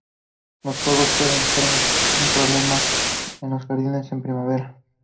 Los cuervos pueden ser un problema en los jardines en primavera.